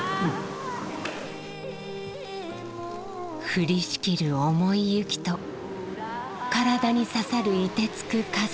降りしきる重い雪と体に刺さるいてつく風。